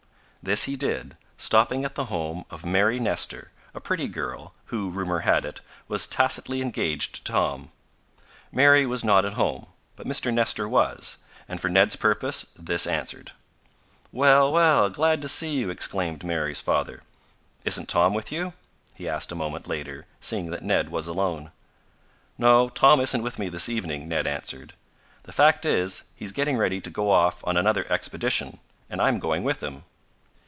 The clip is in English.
This he did, stopping at the home of Mary Nestor, a pretty girl, who, rumor had it, was tacitly engaged to Tom. Mary was not at home, but Mr. Nestor was, and for Ned's purpose this answered. "Well, well, glad to see you!" exclaimed Mary's father. "Isn't Tom with you?" he asked a moment later, seeing that Ned was alone. "No, Tom isn't with me this evening," Ned answered. "The fact is, he's getting ready to go off on another expedition, and I'm going with him."